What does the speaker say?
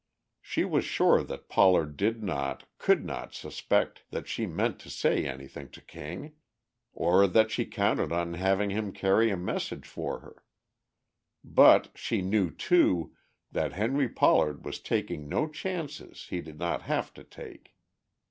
She was sure that Pollard did not, could not suspect that she meant to say anything to King, or that she counted on having him carry a message for her. But she knew, too, that Henry Pollard was taking no chances he did not have to take.